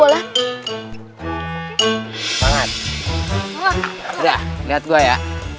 lihat gua ya